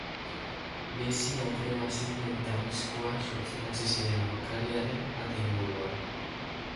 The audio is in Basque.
Bizi atera ziren eta arriskua sortzen hasi ziren aurkariaren ate inguruan.